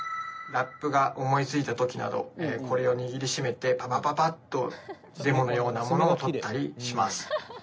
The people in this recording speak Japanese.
ラップが思いついた時などこれを握りしめてパパパパッとデモのようなものを録ったりします。